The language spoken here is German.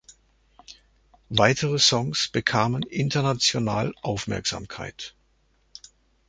Weitere Songs bekamen international Aufmerksamkeit.